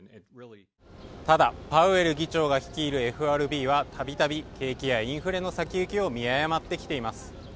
ただパウエル議長が率いるＦＲＢはたびたび景気やインフレの先行きを見誤ってきています